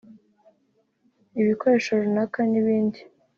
ibikoresho runaka n’ibindi